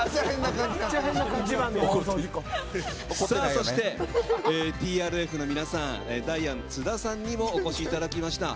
そして、ＴＲＦの皆さんダイアン津田さんにもお越しいただきました。